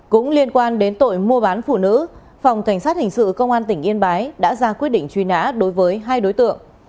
cũng liên quan đến tội mua bán phụ nữ phòng cảnh sát hình sự công an tỉnh yên bái đã ra quyết định truy nã đối với hai đối tượng